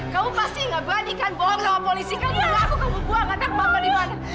kamu pasti gak beranikan bawa bawa polisi kamu ngaku kamu buang anak mama di mana